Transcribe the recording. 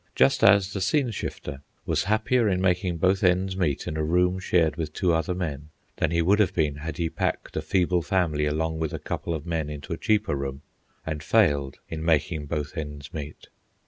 Just as the scene shifter was happier in making both ends meet in a room shared with two other men, than he would have been had he packed a feeble family along with a couple of men into a cheaper room, and failed in making both ends meet.